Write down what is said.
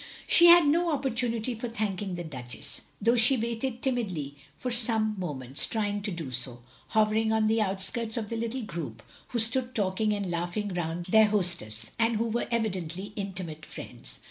She had no opportunity for thanking the Duchess, though she waited timidly for some mo ments, trying to do so; hovering on the outskirts of the little group who stood talking and laugh ing round their hostess, and who were evidently intimate friends.